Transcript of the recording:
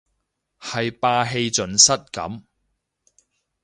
係霸氣盡失咁